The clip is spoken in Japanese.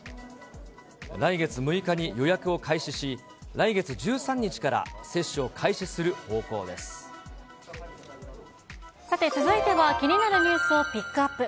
来月６日に予約を開始し、来月１３日から接種を開始する方向でさて、続いては気になるニュースをピックアップ。